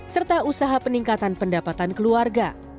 serta usaha peningkatan pendapatan keluarga